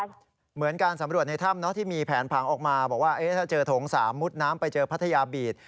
เหมือนการสำรวจในถ้ำที่มีแผนผังออกมาบอกว่าถ้าเจอโถง๓มุดน้ำไปเจอพัทยาบีด